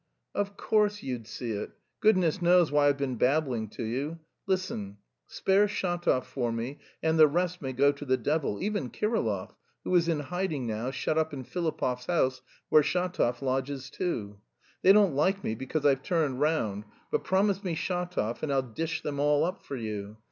"Of course you'd see it. Goodness knows why I've been babbling to you. Listen. Spare Shatov for me and the rest may go to the devil even Kirillov, who is in hiding now, shut up in Filipov's house, where Shatov lodges too. They don't like me because I've turned round... but promise me Shatov and I'll dish them all up for you.